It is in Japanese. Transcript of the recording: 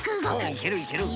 いけるいける。